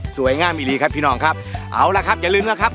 งามดีครับพี่น้องครับเอาล่ะครับอย่าลืมนะครับ